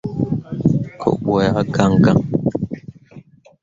Cok pu yak gãn gãn.